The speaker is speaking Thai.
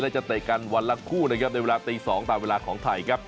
และจะเตะกันวันละคู่นะครับในเวลาตี๒ตามเวลาของไทยครับ